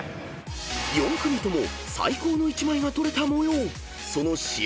［４組とも最高の１枚が撮れた模様］